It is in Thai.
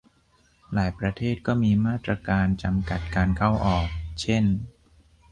หลายประเทศก็มีมาตรการจำกัดการเข้าออก เช่น